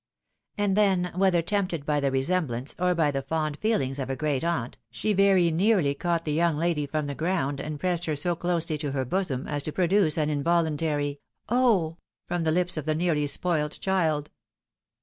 " And then, whether tempted by the resemblance, or by the fond feelings of a great aunt, she very nearly caught the young lady from the ground, and pressed her so closely to her bosom, as to produce an involuntary " Oh !" from the lips of the nearly "spoilt child."